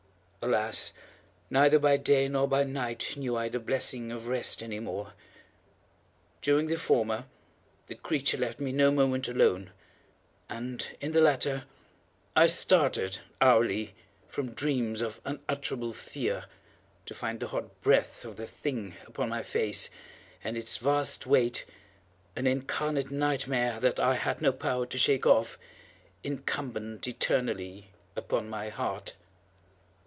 Alas! neither by day nor by night knew I the blessing of rest any more! During the former the creature left me no moment alone, and in the latter I started hourly from dreams of unutterable fear to find the hot breath of the thing upon my face, and its vast weight—an incarnate nightmare that I had no power to shake off—incumbent eternally upon my _heart!